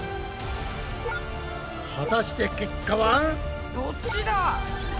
果たして結果は？どっちだ？